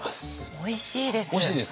おいしいです。